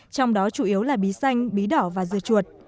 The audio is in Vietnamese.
trong đó chủ yếu là bí xanh bí đỏ và dưa chuột